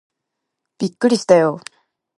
びっくりしたよー